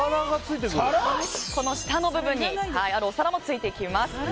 下の部分にあるお皿もついてきます。